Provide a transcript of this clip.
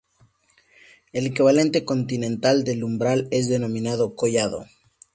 El equivalente continental del umbral es denominado collado.